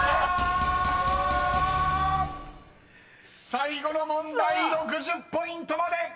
［最後の問題６０ポイントまで！］